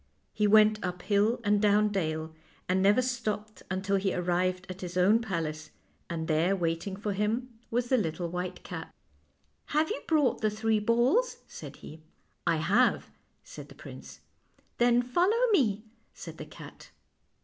He went up hill and down dale, and never stopped until he arrived at his own palace, and there waiting for him was the little white cat. THE LITTLE WHITE CAT 133 " Have you brought the three balls? " said he. " I have," said the prince. " Then follow me," said the cat.